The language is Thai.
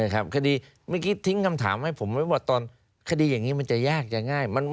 คดีเมื่อกี้ทิ้งคำถามให้ผมไว้ว่าตอนคดีอย่างนี้มันจะยากจะง่าย